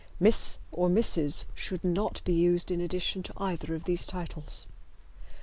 "Miss" or "Mrs." should not be used in addition to either of these titles.